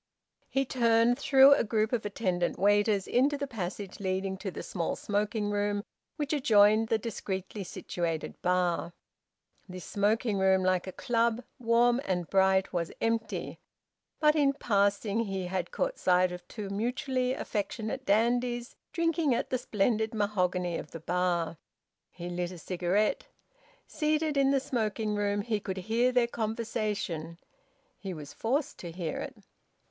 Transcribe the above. He turned, through a group of attendant waiters, into the passage leading to the small smoking room which adjoined the discreetly situated bar. This smoking room, like a club, warm and bright, was empty, but in passing he had caught sight of two mutually affectionate dandies drinking at the splendid mahogany of the bar. He lit a cigarette. Seated in the smoking room he could hear their conversation; he was forced to hear it.